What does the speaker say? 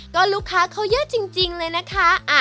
ก็ลูกค้าเขาเยอะจริงเลยนะคะ